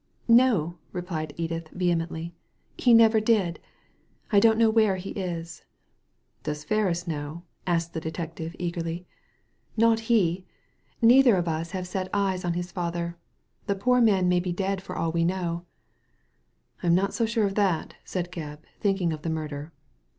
"No," replied Edith, vehemently, "he never did. I don't know where he is." "Does Ferris know?" asked the detective, eagerly. Digitized by Google AN EXPLANATION 177 ^Not he! Neither of us have set eyes on his father. The poor man may be dead for all we know.'* " I'm not so sure of that," said Gebb, thinking of the murder.